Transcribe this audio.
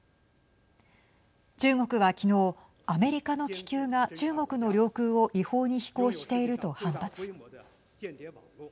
中国は昨日アメリカの気球が中国の領空を違法に飛行していると反発。